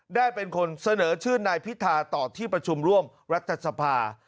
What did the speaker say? ได้เป็นคนเสนอชื่อนายพิธาต่อที่ประชุมร่วมรัฐสภา